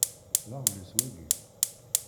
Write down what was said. D aɣbel-is wagi?